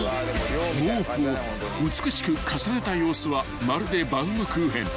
［毛布を美しく重ねた様子はまるでバウムクーヘン］